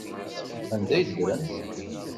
Anda ay ddren?